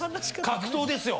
格闘ですよ。